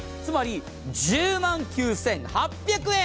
つまり１０万９８００円！